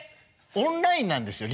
オンラインなんですよ。